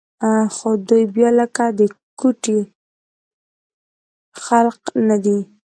خو دوى بيا لکه د کوټې خلق نه دي.